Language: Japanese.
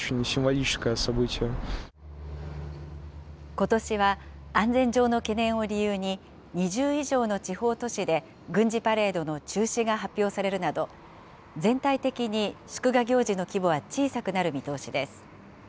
ことしは、安全上の懸念を理由に、２０以上の地方都市で軍事パレードの中止が発表されるなど、全体的に祝賀行事の規模は小さくなる見通しです。